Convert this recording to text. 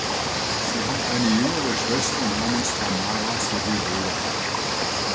Sie hat eine jüngere Schwester namens Tamara Sobirova.